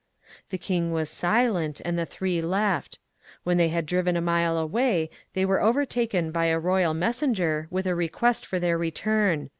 '' The king was silent, and the three left. When they had driven a mile they were overtaken by a royal messenger with a request for their return.